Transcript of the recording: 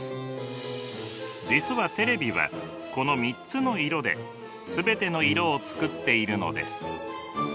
実はテレビはこの３つの色で全ての色を作っているのです。